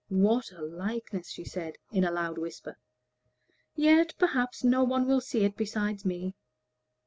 "What a likeness!" she said, in a loud whisper; "yet, perhaps, no one will see it besides me."